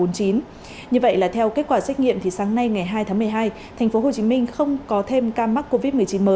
như vậy là theo kết quả xét nghiệm thì sáng nay ngày hai tháng một mươi hai tp hcm không có thêm ca mắc covid một mươi chín mới